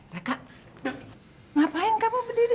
terima kasih selalu dikenal dimiko